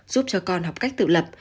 giúp cho con học cách tự lập